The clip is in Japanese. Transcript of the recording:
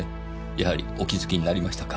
やはりお気づきになりましたか。